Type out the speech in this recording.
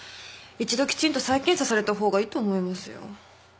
一度きちんと再検査された方がいいと思いますよ。